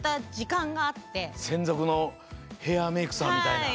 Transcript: せんぞくのヘアメイクさんみたいな。